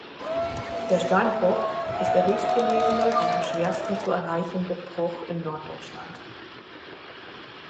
Der Steinbruch ist der höchstgelegene und am schwersten zu erreichende Bruch in Norddeutschland.